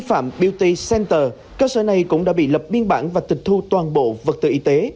phạm biot center cơ sở này cũng đã bị lập biên bản và tịch thu toàn bộ vật tư y tế